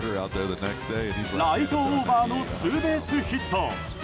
ライトオーバーのツーベースヒット。